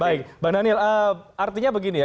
baik bang daniel artinya begini ya